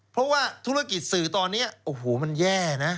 เพราะว่าธุรกิจสื่อตอนนี้โอ้โหมันแย่นะ